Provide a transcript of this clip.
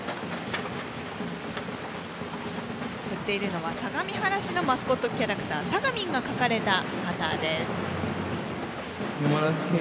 振っているのは、相模原市のマスコットキャラクターさがみんが描かれた旗です。